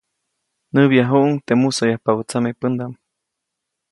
Näbyajuʼuŋ teʼ musoyapabä tsamepändaʼm.